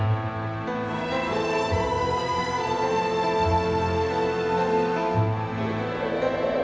kamu sudah menjadi milikku